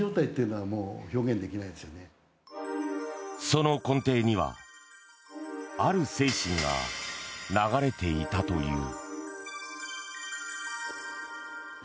その根底にはある精神が流れていたという。